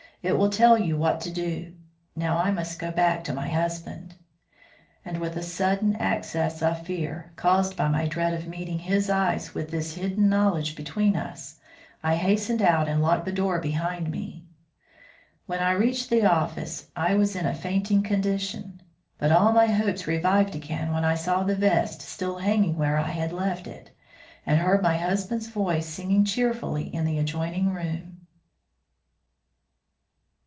It will tell you what to do; now I must go back to my husband." And, with a sudden access of fear, caused by my dread of meeting his eyes with this hidden knowledge between us, I hastened out and locked the door behind me. When I reached the office, I was in a fainting condition, but all my hopes revived again when I saw the vest still hanging where I had left it, and heard my husband's voice singing cheerfully in the adjoining room.